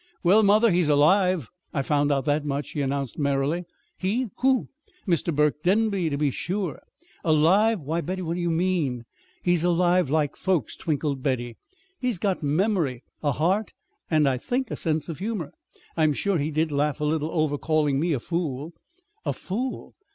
"Well, mother, he's alive! I've found out that much," she announced merrily. "He? Who?" "Mr. Burke Denby, to be sure." "Alive! Why, Betty, what do you mean?" "He's alive like folks," twinkled Betty. "He's got memory, a heart, and I think a sense of humor. I'm sure he did laugh a little over calling me a fool." "A fool!